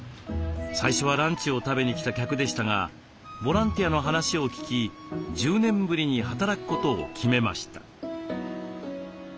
最初はランチを食べに来た客でしたがボランティアの話を聞き１０年ぶりに働くことを決めました。